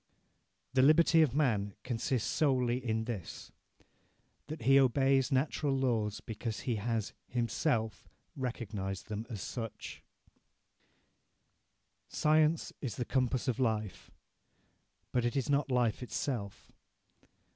"The liberty of man consists solely in this: that he obeys natural laws because he has himself recognized them as such "Science is the compass of life; but it is not life itself....